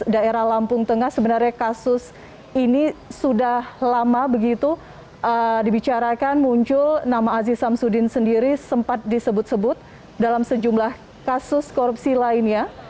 daerah lampung tengah sebenarnya kasus ini sudah lama begitu dibicarakan muncul nama aziz samsudin sendiri sempat disebut sebut dalam sejumlah kasus korupsi lainnya